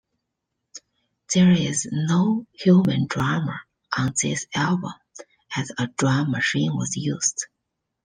There is no human drummer on this album, as a drum machine was used.